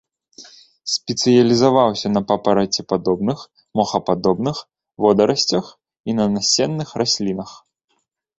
Спецыялізаваўся на папарацепадобных, мохападобных, водарасцях і на насенных раслінах.